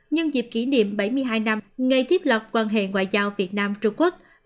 nhân dịp kỷ niệm bảy mươi hai năm ngày tiếp lọc quan hệ ngoại giao việt nam trung quốc